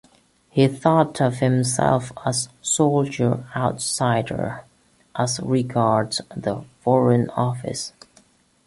He thought of himself as a 'soldier-outsider', as regards the Foreign Office.